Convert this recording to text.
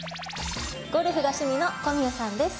ゴルフが趣味の小宮さんです。